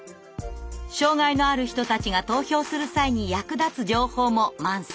障害のある人たちが投票する際に役立つ情報も満載。